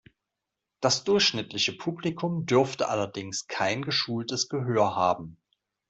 Das durchschnittliche Publikum dürfte allerdings kein geschultes Gehör haben.